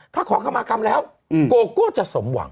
ถ้าขอคำมากรรมแล้วโกโก้จะสมหวัง